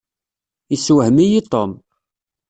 Yessewhem-iyi Tom.